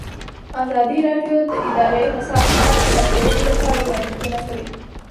ازادي راډیو د اداري فساد په اړه د حل کولو لپاره وړاندیزونه کړي.